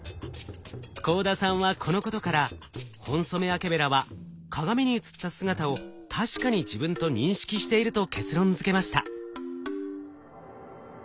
幸田さんはこのことからホンソメワケベラは鏡に映った姿を確かに自分と認識していると結論づけました。